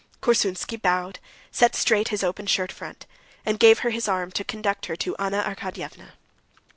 Korsunsky bowed, set straight his open shirt front, and gave her his arm to conduct her to Anna Arkadyevna.